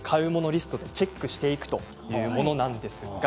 リストでチェックしていくというものなんです。